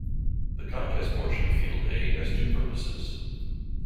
The contest portion of Field Day has two purposes.